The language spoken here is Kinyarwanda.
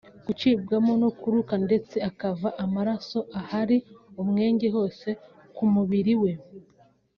gucibwamo no kuruka ndetse akava amaraso ahari umwenge hose ku mubiri we